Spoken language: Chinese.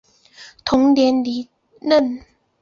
同年离任。